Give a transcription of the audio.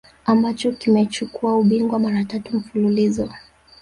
ambacho kimechukua ubingwa mara tatu mfululizo